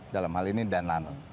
dalam hal ini dan